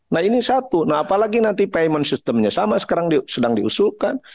nah ini satu nah apalagi nanti payment systemnya sama sekarang sedang diusulkan